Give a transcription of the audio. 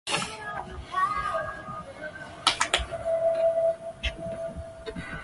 大韦内迪格山麓诺伊基兴是奥地利萨尔茨堡州滨湖采尔县的一个市镇。